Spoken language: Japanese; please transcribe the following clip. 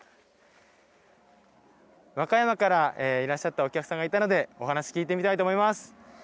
和歌山からいらっしゃったお客さんがいたのでお話を聞いてみたいと思います。